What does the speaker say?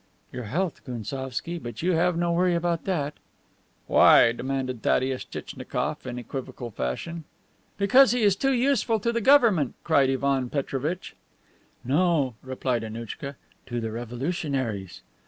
"Your health, Gounsovski. But you have no worry about that." "Why?" demanded Thaddeus Tchitchnikoff in equivocal fashion. "Because he is too useful to the government," cried Ivan Petrovitch. "No," replied Annouchka; "to the revolutionaries."